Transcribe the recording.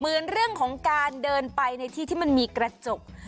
เหมือนเรื่องของการเดินไปในที่ที่มันมีกระจก